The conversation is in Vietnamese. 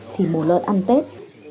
thì mù lợn ăn tết